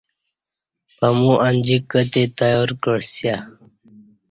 پمو انجی کہ تے تیار کعسیہ